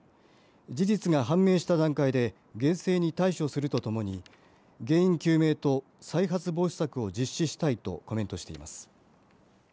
事実が判明した段階で厳正に対処するとともに原因究明と再発防止策を実施したいとコメントしています。